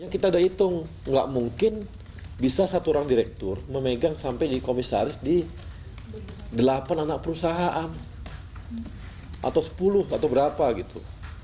kita udah hitung nggak mungkin bisa satu orang direktur memegang sampai jadi komisaris di delapan anak perusahaan atau sepuluh atau berapa gitu